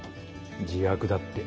自白だって。